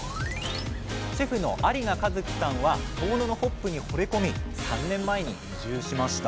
シェフの有賀一樹さんは遠野のホップにほれ込み３年前に移住しました。